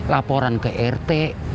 laporan ke rt